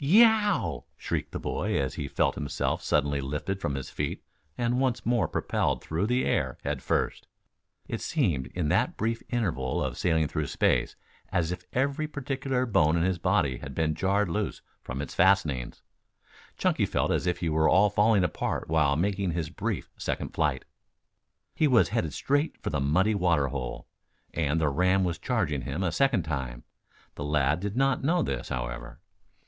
"Ye o ow!" shrieked the boy as he felt himself suddenly lifted from his feet and once more propelled through the air head first. It seemed in that brief interval of sailing through space as if every particular bone in his body had been jarred loose from its fastenings. Chunky felt as if he were all falling apart while making his brief second flight. He was headed straight for the muddy water hole, and the ram was charging him a second time. The lad did not know this, however.